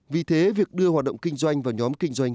vì thế việc đưa hoạt động kinh doanh vào nhóm kinh doanh